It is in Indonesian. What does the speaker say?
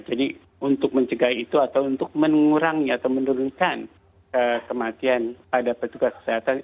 jadi untuk mencegah itu atau untuk mengurangi atau menurunkan kematian pada petugas kesehatan